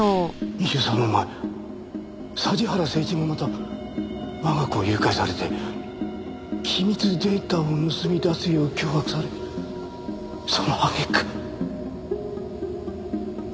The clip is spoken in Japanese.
２３年前桟原誠一もまた我が子を誘拐されて機密データを盗み出すよう脅迫されその揚げ句殺されたんだ。